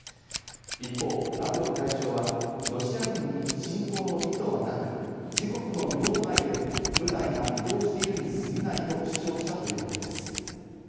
一方、ラブロフ外相はロシア軍に侵攻の意図はなく、自国の領土内で部隊が移動しているに過ぎないと主張したということです。